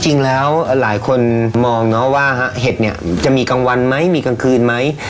จริงแล้วหลายคนมองว่าเห็ดจะมีกลางวันไหมมีกลางคืนไหม